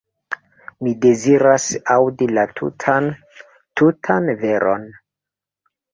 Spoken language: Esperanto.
Mi deziras aŭdi la tutan, tutan veron.